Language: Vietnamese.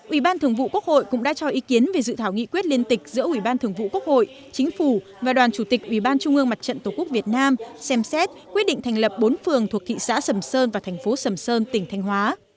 ủy ban thường vụ quốc hội cũng đã cho ý kiến về dự thảo nghị quyết liên tịch giữa ủy ban thường vụ quốc hội chính phủ và đoàn chủ tịch ủy ban trung ương mặt trận tổ quốc việt nam xem xét quyết định thành lập bốn phường thuộc thị xã sầm sơn và thành phố sầm sơn tỉnh thanh hóa